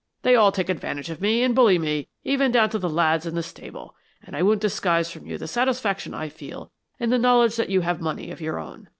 They all take advantage of me and bully me, even down to the lads in the stable, and I won't disguise from you the satisfaction I feel in the knowledge that you have money of your own.